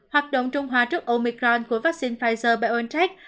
hoạt động trung hòa trước omicron của vaccine pfizer biontech